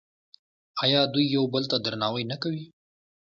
آیا دوی یو بل ته درناوی نه کوي؟